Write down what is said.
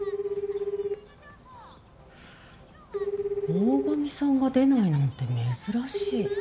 大神さんが出ないなんて珍しい。